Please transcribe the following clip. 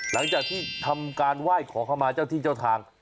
หลังจากที่ทำการไหว้ขอเข้ามาเจ้าที่เจ้าทาง